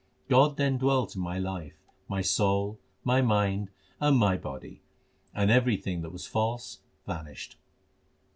God then dwelt in my life, my soul, my mind, and my body ; and everything that was false vanished.